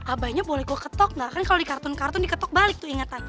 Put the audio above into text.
abahnya boleh gue ketok nggak kan kalau di kartun kartun diketok balik tuh ingatan